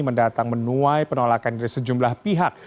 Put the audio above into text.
mendatang menuai penolakan dari sejumlah pihak